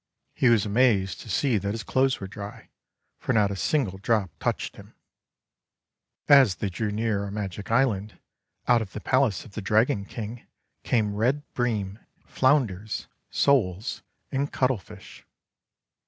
He was amazed to see that his clothes were dry, for not a single drop touched him. As they drew near a Magic Island, out of the palace of the Dragon King came Red Bream, THE WONDER GARDEN Flounders, Soles, and Cuttle fish.